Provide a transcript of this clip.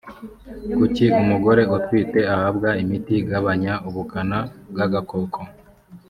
kuki umugore utwite ahabwa imiti igabanya ubukana bw agakoko